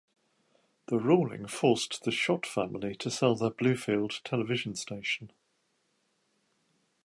The ruling forced the Shott family to sell their Bluefield television station.